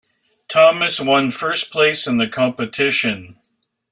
Thomas one first place in the competition.